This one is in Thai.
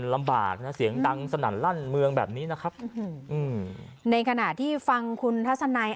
ลำบากนะเสียงดังสนั่นลั่นเมืองแบบนี้นะครับอืมในขณะที่ฟังคุณทัศนัย